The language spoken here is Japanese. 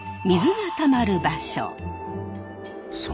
水がたまる場所。